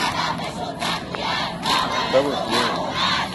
ṣabaṣ goor